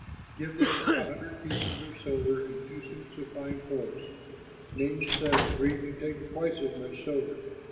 Give them a hundred pounds of silver and two suits of fine clothes.'" Naaman said, "Agree to take twice as much silver."